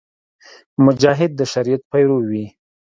مجاهد د شریعت پیرو وي.